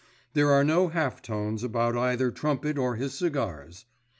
There are no half tones about either Trumpet or his cigars.